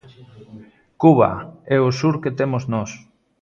Cuba é o sur que temos nós.